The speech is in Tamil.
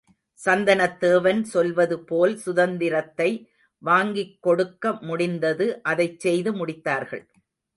சந்தனத் தேவன் சொல்வது போல் சுதந்திரத்தை வாங்கிக் கொடுக்க முடிந்தது அதைச் செய்து முடித்தார்கள்.